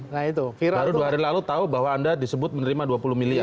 baru dua hari lalu tahu bahwa anda disebut menerima dua puluh miliar